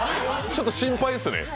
ちょっと心配ですね。